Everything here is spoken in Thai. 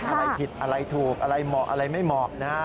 อะไรผิดอะไรถูกอะไรไม่เหมาะนะคะ